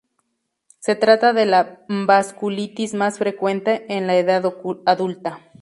Se trata de la vasculitis más frecuente en la edad adulta.